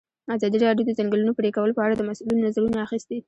ازادي راډیو د د ځنګلونو پرېکول په اړه د مسؤلینو نظرونه اخیستي.